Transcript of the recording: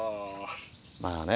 まあね